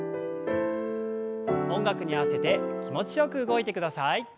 音楽に合わせて気持ちよく動いてください。